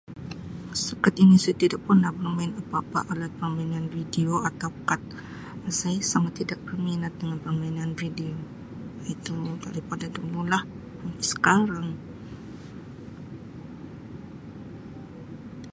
Setakat ini saya tidak pernah bermain apa-apa alat permainan video atau kad saya sangat tidak berminat dengan permainan video itu daripada dulu lah sampai sekarang.